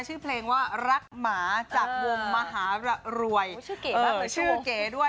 ชื่อเพลงว่ารักหมาจากวงมหารวยชื่อเก๋ด้วย